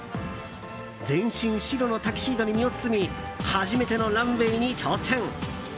全身白のタキシードに身を包み初めてのランウェーに挑戦。